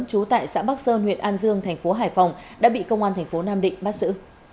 trú tại xã bắc sơn huyện an dương thành phố hải phòng đã bị công an thành phố nam định bắt giữ